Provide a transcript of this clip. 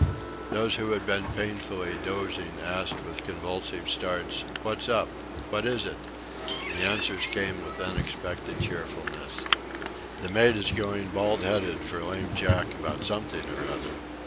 Those who had been painfully dozing asked with convulsive starts, "What's up?... What is it?" The answers came with unexpected cheerfulness: "The mate is going bald headed for lame Jack about something or other."